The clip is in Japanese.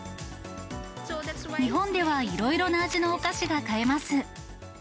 日本ではいろいろな味のお菓子が買えます。